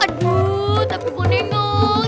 aduh tapi gue nengok